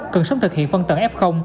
cần sống thực hiện phân tầng f